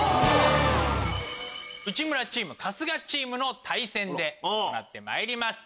内村チーム春日チームの対戦で行ってまいります。